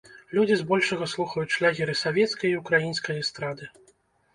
Людзі збольшага слухаюць шлягеры савецкай і украінскай эстрады.